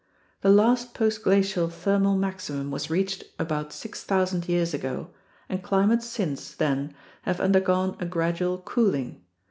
The last postglacial thermal maximum was reached about 6000 years ago, and climates since then have undergone a gradual cooling.